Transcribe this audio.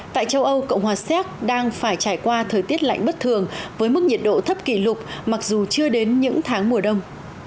tại châu âu cộng hòa séc đang phải trải qua thời tiết lạnh bất thường với mức nhiệt độ thấp kỷ lục mặc dù chưa đến những tháng mùa đông